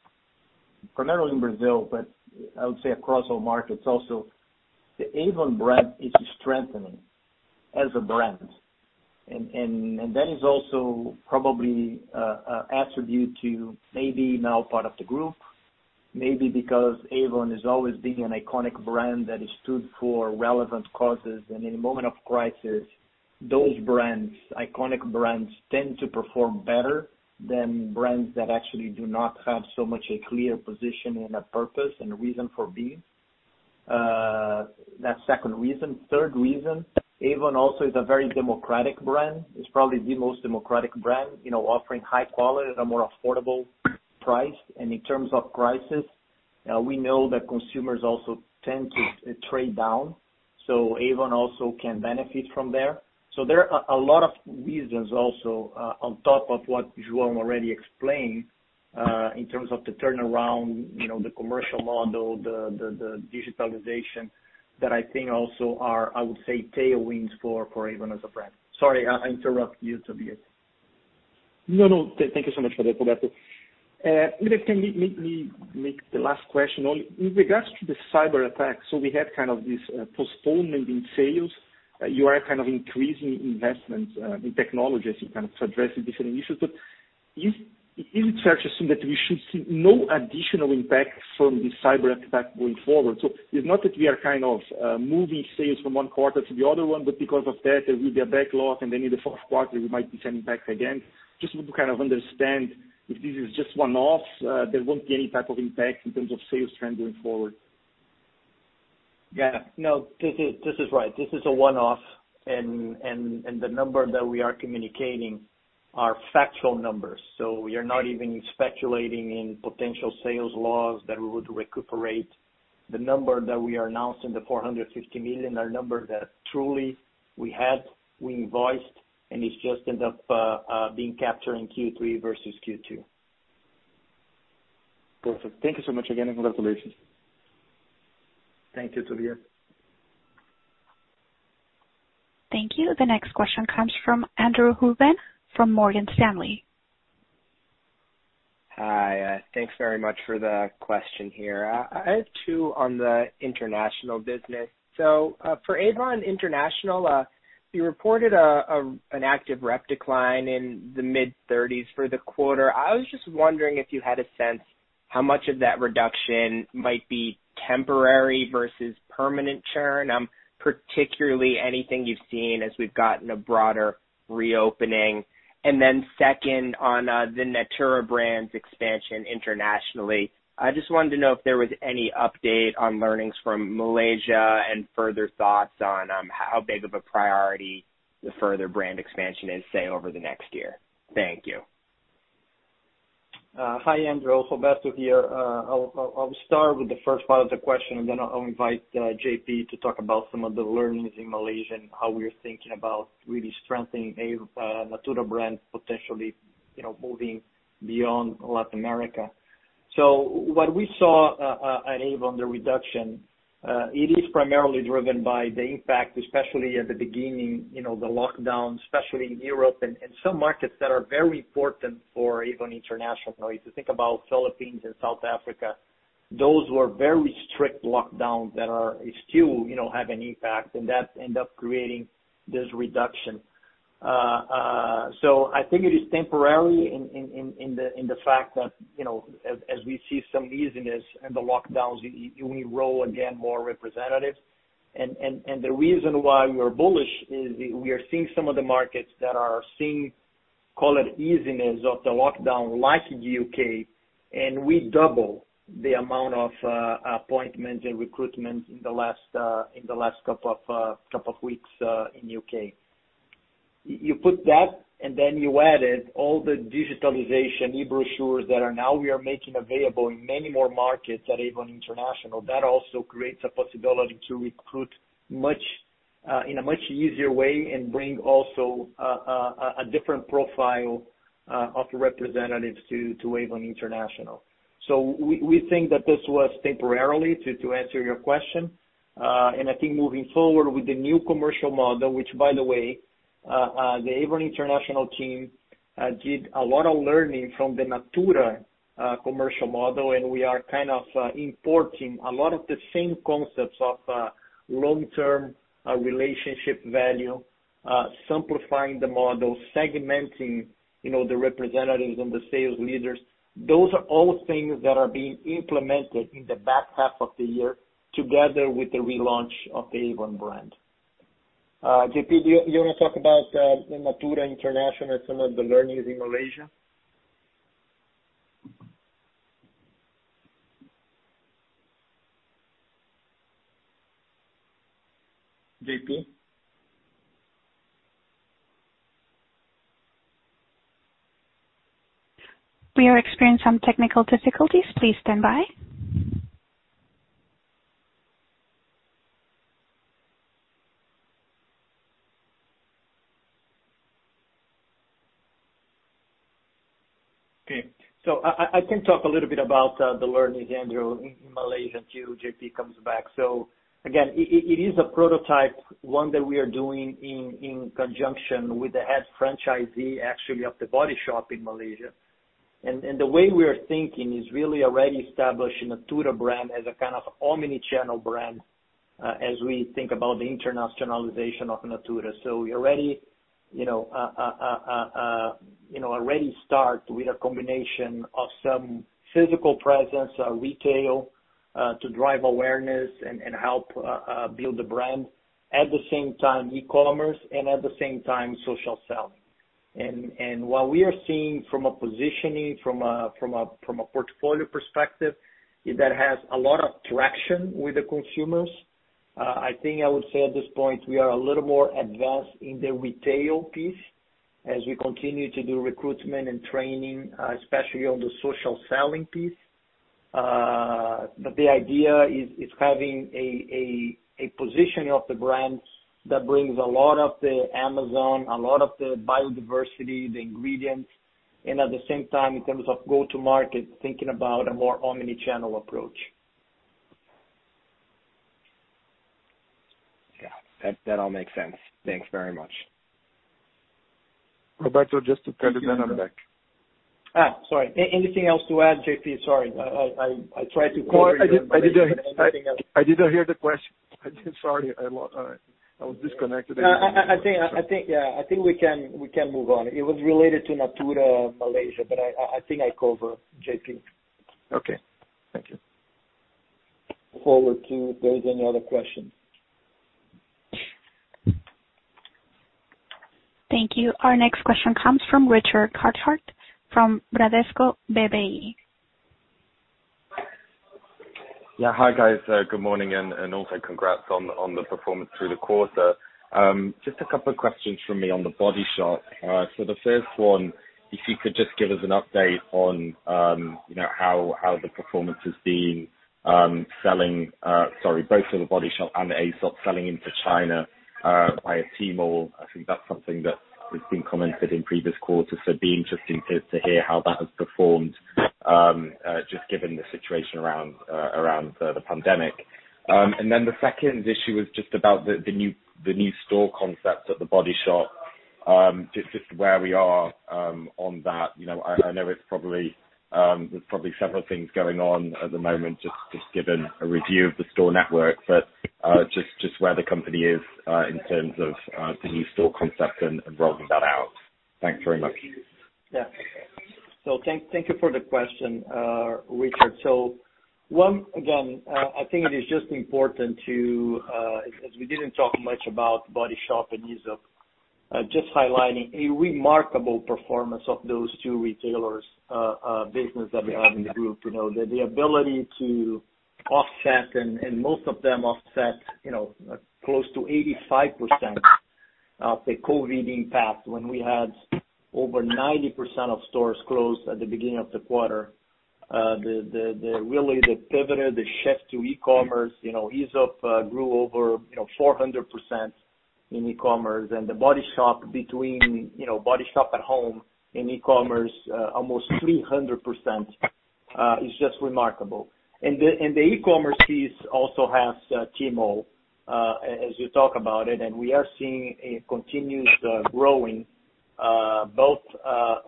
primarily in Brazil, but I would say across all markets also, the Avon brand is strengthening as a brand. That is also probably an attribute to maybe now part of the group, maybe because Avon has always been an iconic brand that has stood for relevant causes. In a moment of crisis, those brands, iconic brands, tend to perform better than brands that actually do not have so much a clear position and a purpose and a reason for being. That's second reason. Third reason, Avon also is a very democratic brand. It's probably the most democratic brand, offering high quality at a more affordable price. In terms of crisis, we know that consumers also tend to trade down. Avon also can benefit from there. There are a lot of reasons also, on top of what João already explained, in terms of the turnaround, the commercial model, the digitalization that I think also are, I would say, tailwinds for Avon as a brand. Sorry, I interrupt you, Tobias. No, thank you so much for that, Roberto. Let me make the last question only. In regards to the cyber attack, so we had kind of this postponement in sales. You are kind of increasing investments in technology as you kind of address the different issues. Is it fair to assume that we should see no additional impact from the cyber attack going forward? It's not that we are kind of moving sales from one quarter to the other one, but because of that, there will be a backlog, and then in the fourth quarter, we might be sending back again. I just want to kind of understand if this is just one-off, there won't be any type of impact in terms of sales trend going forward. This is right. This is a one-off, and the number that we are communicating are factual numbers. We are not even speculating in potential sales loss that we would recuperate. The number that we are announcing, the 450 million, are numbers that truly we had, we invoiced, and it just ended up being captured in Q3 versus Q2. Perfect. Thank you so much again, and congratulations. Thank you, Tobias. Thank you. The next question comes from Andrew Ruben from Morgan Stanley. Hi. Thanks very much for the question here. I have two on the international business. For Avon International, you reported an active rep decline in the mid-30s for the quarter. I was just wondering if you had a sense how much of that reduction might be temporary versus permanent churn. Particularly anything you've seen as we've gotten a broader reopening. Second on the Natura brand's expansion internationally. I just wanted to know if there was any update on learnings from Malaysia and further thoughts on how big of a priority the further brand expansion is, say, over the next year. Thank you. Hi, Andrew. Roberto here. I'll start with the first part of the question. Then I'll invite JP to talk about some of the learnings in Malaysia and how we are thinking about really strengthening Natura brand, potentially moving beyond Latin America. What we saw at Avon, the reduction, it is primarily driven by the impact, especially at the beginning, the lockdown, especially in Europe and some markets that are very important for Avon International. If you think about Philippines and South Africa, those were very strict lockdowns that still have an impact, and that end up creating this reduction. I think it is temporary in the fact that, as we see some easiness in the lockdowns, we enroll again more representatives. The reason why we're bullish is we are seeing some of the markets that are seeing, call it easiness of the lockdown, like in the U.K. We double the amount of appointments and recruitment in the last couple of weeks in U.K. You put that and then you added all the digitalization, e-brochures that now we are making available in many more markets at Avon International. That also creates a possibility to recruit in a much easier way and bring also a different profile of representatives to Avon International. We think that this was temporary, to answer your question. I think moving forward with the new commercial model, which by the way, the Avon International team did a lot of learning from the Natura commercial model, and we are kind of importing a lot of the same concepts of long-term relationship value, simplifying the model, segmenting the representatives and the sales leaders. Those are all things that are being implemented in the back half of the year, together with the relaunch of the Avon brand. JP, do you want to talk about Natura International and some of the learnings in Malaysia? JP? We are experiencing some technical difficulties. Please stand by. Okay. I can talk a little bit about the learnings, Andrew, in Malaysia until JP comes back. Again, it is a prototype, one that we are doing in conjunction with the head franchisee, actually, of The Body Shop in Malaysia. The way we are thinking is really already establishing Natura brand as a kind of omni-channel brand as we think about the internationalization of Natura. We already start with a combination of some physical presence, retail, to drive awareness and help build the brand. At the same time, e-commerce, and at the same time, social selling. What we are seeing from a positioning, from a portfolio perspective, that has a lot of traction with the consumers. I think I would say at this point, we are a little more advanced in the retail piece as we continue to do recruitment and training, especially on the social selling piece. The idea is having a positioning of the brands that brings a lot of the Amazon, a lot of the biodiversity, the ingredients, and at the same time, in terms of go-to-market, thinking about a more omni-channel approach. Yeah. That all makes sense. Thanks very much. Roberto, just to tell you that I'm back. Sorry. Anything else to add, JP? Sorry. I didn't hear the question. Sorry, I was disconnected. I think we can move on. It was related to Natura Malaysia, but I think I covered, JP. Okay. Thank you. Look forward to if there's any other questions. Thank you. Our next question comes from Richard Cathcart from Bradesco BBI. Yeah. Hi, guys. Good morning, and also congrats on the performance through the quarter. Just a couple of questions from me on The Body Shop. The first one, if you could just give us an update on how the performance has been both for The Body Shop and Aesop selling into China via Tmall. I think that's something that has been commented in previous quarters. It'd be interesting to hear how that has performed, just given the situation around the pandemic. The second issue is just about the new store concept at The Body Shop, just where we are on that. I know there's probably several things going on at the moment, just given a review of the store network, but just where the company is in terms of the new store concept and rolling that out. Thanks very much. Yeah. Thank you for the question, Richard. One, again, I think it is just important to-- as we didn't talk much about The Body Shop and Aesop, just highlighting a remarkable performance of those two retailers business that we have in the group. The ability to offset, and most of them offset close to 85% of the COVID-19 impact when we had over 90% of stores closed at the beginning of the quarter. Really, the pivot, the shift to e-commerce, Aesop grew over 400% in e-commerce, and The Body Shop between The Body Shop At Home and e-commerce, almost 300%. It's just remarkable. The e-commerce piece also has Tmall, as you talk about it, and we are seeing a continuous growing both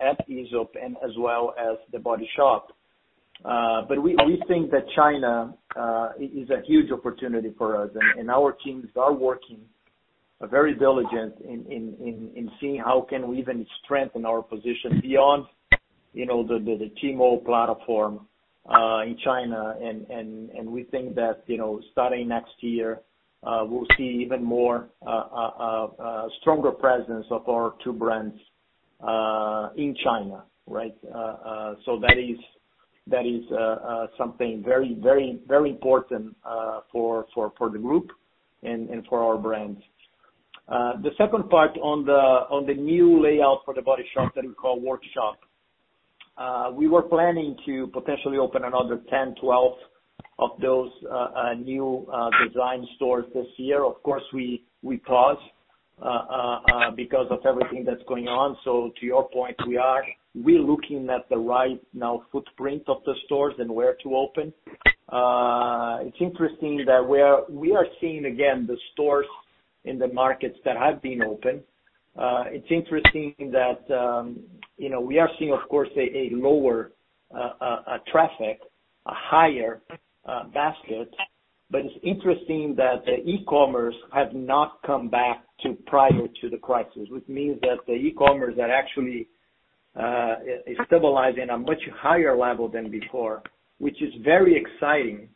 at Aesop and as well as The Body Shop. We think that China is a huge opportunity for us, and our teams are working very diligent in seeing how can we even strengthen our position beyond the Tmall platform in China, and we think that starting next year, we'll see even more stronger presence of our two brands in China. That is something very important for the group and for our brands. The second part on the new layout for The Body Shop that we call Workshop. We were planning to potentially open another 10, 12 of those new design stores this year. Of course, we paused because of everything that's going on. To your point, we are re-looking at the right now footprint of the stores and where to open. It's interesting that we are seeing, again, the stores in the markets that have been open. It's interesting that we are seeing, of course, a lower traffic, a higher basket. It's interesting that the e-commerce have not come back to prior to the crisis, which means that the e-commerce are actually stabilizing at a much higher level than before, which is very exciting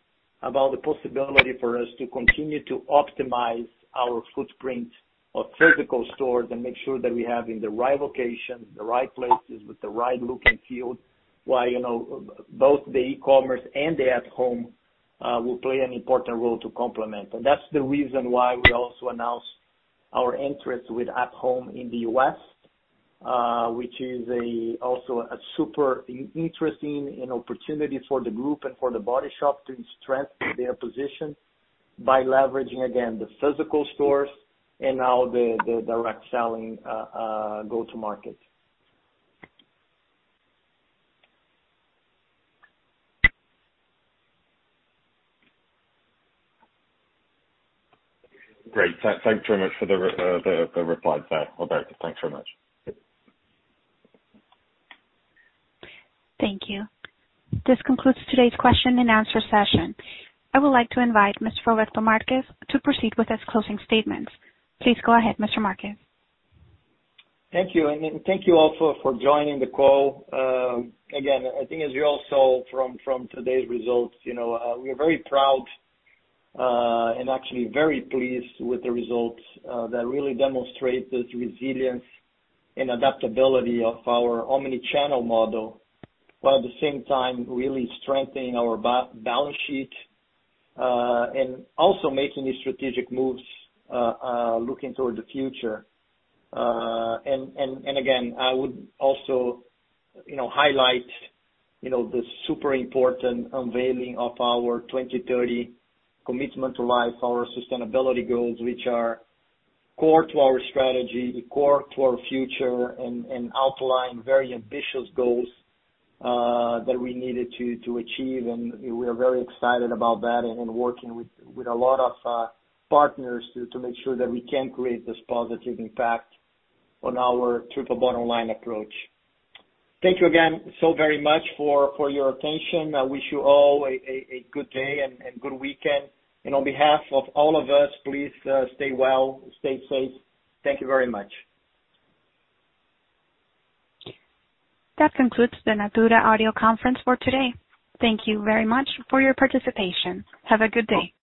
about the possibility for us to continue to optimize our footprint of physical stores and make sure that we have in the right location, the right places, with the right look and feel. While both the e-commerce and the At Home will play an important role to complement. That's the reason why we also announced our interest with At Home in the U.S., which is also a super interesting opportunity for the group and for The Body Shop to strengthen their position by leveraging, again, the physical stores and now the direct selling go-to market. Great. Thank you very much for the reply, Roberto. Thanks very much. Thank you. This concludes today's question and answer session. I would like to invite Mr. Roberto Marques to proceed with his closing statements. Please go ahead, Mr. Marques. Thank you. Thank you all for joining the call. I think as you all saw from today's results, we are very proud and actually very pleased with the results that really demonstrate this resilience and adaptability of our omni-channel model, while at the same time, really strengthening our balance sheet, and also making these strategic moves looking toward the future. Again, I would also highlight the super important unveiling of our 2030 Commitment to Life, our sustainability goals, which are core to our strategy, core to our future, and outline very ambitious goals that we needed to achieve, and we are very excited about that and working with a lot of partners to make sure that we can create this positive impact on our triple bottom line approach. Thank you again so very much for your attention. I wish you all a good day and good weekend. On behalf of all of us, please stay well, stay safe. Thank you very much. That concludes the Natura audio conference for today. Thank Thank you very much for your participation. Have a good day.